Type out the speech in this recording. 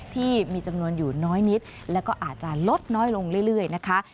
ที่มีจำนวนอยู่น้อยนิดแล้วก็อาจจะลดน้อยลงเรื่อยนะคะ